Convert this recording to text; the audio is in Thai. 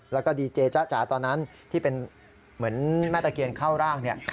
แล้วก็ดีเจจ๊ะจ๋าตอนนั้นที่เป็นเหมือนแม่ตะเคียนเข้าร่างเนี่ย